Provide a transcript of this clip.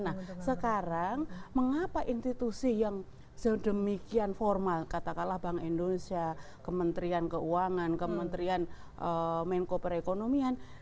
nah sekarang mengapa institusi yang sedemikian formal katakanlah bank indonesia kementerian keuangan kementerian menko perekonomian